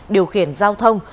điều khiển giao thông